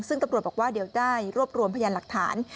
ซึ่งตำรวจบอกว่าเดี๋ยวได้รวบรวมพยานหลักฐาน